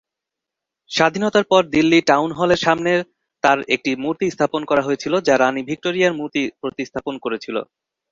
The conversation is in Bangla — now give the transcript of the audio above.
স্বাধীনতার পর দিল্লি টাউন হলের সামনে তার একটি মূর্তি স্থাপন করা হয়েছিল, যা রানী ভিক্টোরিয়ার মূর্তি প্রতিস্থাপন করেছিল।